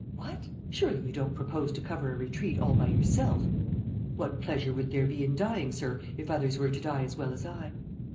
"What! Surely you don't propose to cover a retreat all by yourself?" "What pleasure would there be in dying, sir, if others were to die as well as I?"